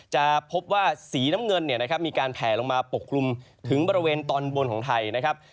จะพบว่าสีน้ำเงินมีการแผลลงมาปกคลุมถึงบริเวณตอนบนของไทยนะครับ